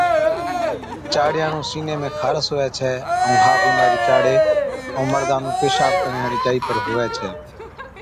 چاڙِيان نُون سِيني ۾ خارس هُوَي ڇَي ائُون ها بِيمارِي چاڙي ائُون مردا نُون پيشاب ڪرڻي هاڙِي جائِي پر هُوَي ڇَي